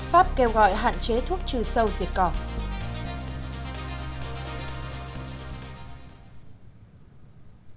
pháp kêu gọi hạn chế thuốc trừ sâu diệt cỏ